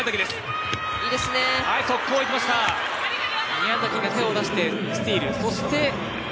宮崎が手を出してスチール。